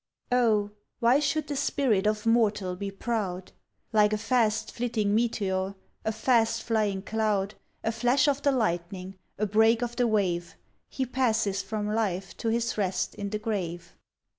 O why should the spirit of mortal be proud? Like a fast flitting meteor, a fast flying cloud, A flash of the lightning, a break of the wave, He passes from life to his rest in the grave.